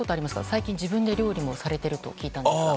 最近、自分で料理もされていると聞いたんですが。